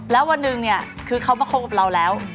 แล้ววันหนึ่งเนี่ยคือเขามาคบกับเราแล้ว